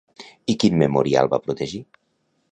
I quin memorial va protegir?